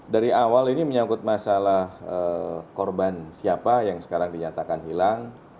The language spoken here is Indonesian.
dari awal ini menyangkut masalah korban siapa yang sekarang dinyatakan hilang